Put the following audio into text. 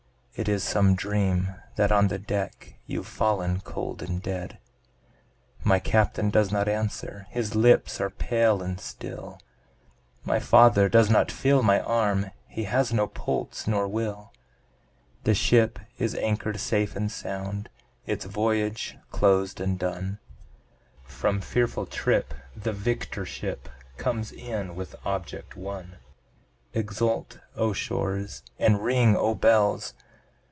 It is some dream that on the deck, You've fallen cold and dead. My Captain does not answer, his lips are pale and still, My father does not feel my arm, he has no pulse nor will, The ship is anchor'd safe and sound, its voyage closed and done, From fearful trip the victor ship comes in with object won; Exult O shores and ring O bells!